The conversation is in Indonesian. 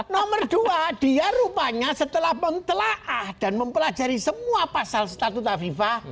nomor dua dia rupanya setelah mengtelaah dan mempelajari semua pasal statuta fifa